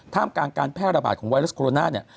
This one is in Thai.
การการแพร่ระบาดของไวรัสโคโรนาเนี่ย